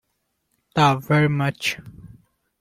Ta very much.